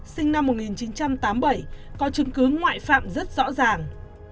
sinh năm một nghìn chín trăm tám mươi bảy có chứng cứ ngoại phạm rất rõ ràng